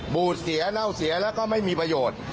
บูดเสียเน่าเสียแล้วก็ไม่มีประโยชน์